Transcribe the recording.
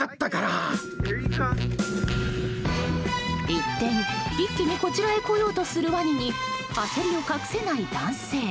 一転、一気にこちらへ来ようとするワニに焦りを隠せない男性。